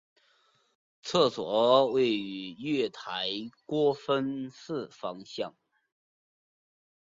厕所位于月台国分寺方向。